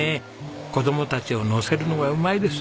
子供たちをのせるのがうまいです。